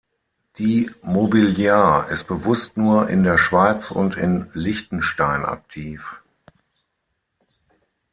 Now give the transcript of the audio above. Die Mobiliar ist bewusst nur in der Schweiz und in Liechtenstein aktiv.